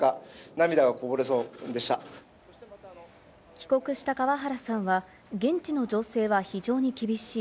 帰国した川原さんは現地の情勢は非常に厳しい。